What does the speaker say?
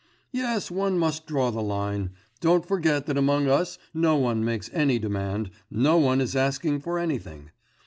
'Yes, one must draw the line. Don't forget that among us no one makes any demand, no one is asking for anything.